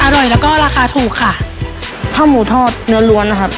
อร่อยแล้วก็ราคาถูกค่ะข้าวหมูทอดเนื้อล้วนนะครับ